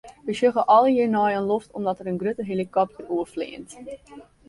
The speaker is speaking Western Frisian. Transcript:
We sjogge allegearre nei de loft omdat der in grutte helikopter oerfleant.